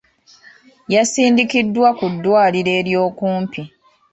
Yasindikiddwa ku ddwaliro ery'okumpi.